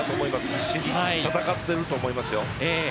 必死に戦っていると思います。